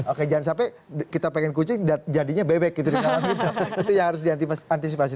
oke jangan sampai kita pengen kucing dan jadinya bebek gitu di kalang itu yang harus diantisipasi